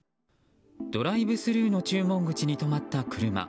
ドライブスルーの注文口に止まった車。